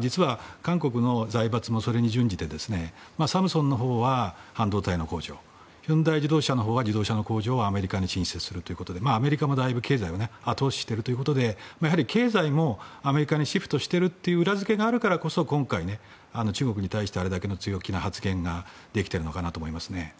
実は韓国の財閥もそれに準じてサムスンのほうは半導体の工場ヒュンダイ自動車のほうは自動車の工場をアメリカに進出するということでアメリカもだいぶ後押ししているということで経済もアメリカにシフトしているという裏付けがあるからこそ今回、中国に対してあれだけの発言ができているのかなと思いますね。